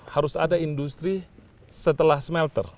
harus ada industri setelah smelter